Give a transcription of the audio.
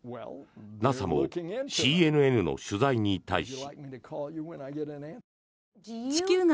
ＮＡＳＡもＣＮＮの取材に対し。